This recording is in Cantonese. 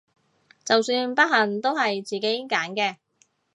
就算不幸都係自己揀嘅！